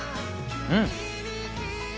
うん